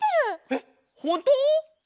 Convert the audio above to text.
えっほんとう？